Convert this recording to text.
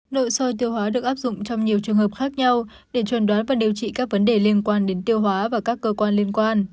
nội soi tiêu hóa được áp dụng trong nhiều trường hợp khác nhau để chuẩn đoán và điều trị các vấn đề liên quan đến tiêu hóa và các cơ quan liên quan